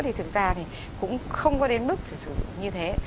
thì thực ra thì cũng không có đến mức phải sử dụng như thế